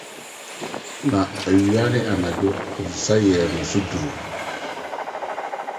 Na awia ne anadwo wo nsa yɛɛ me so duru. ”